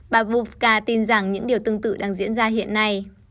bà voulka tin rằng những điều tương tự đang diễn ra hiện nay